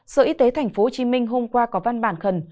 sở y tế tp hcm hôm qua có văn bản khẩn